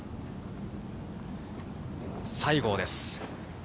西郷です。